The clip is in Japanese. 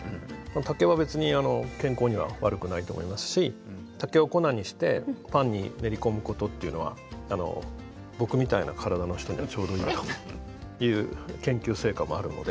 竹は別に健康には悪くないと思いますし竹を粉にしてパンに練り込むことっていうのはあの僕みたいな体の人にはちょうどいいという研究成果もあるので。